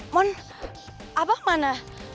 mon abah mana